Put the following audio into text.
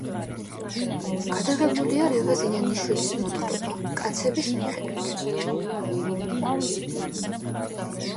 გადაღებულია რევაზ ინანიშვილის მოთხრობა „კაცების“ მიხედვით.